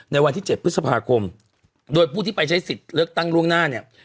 ในวันที่๗พฤษภาคมโดยผู้ที่ไปใช้สิทธิ์เลือกตั้งล่วงหน้าเนี่ย